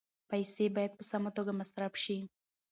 پیسې باید په سمه توګه مصرف شي.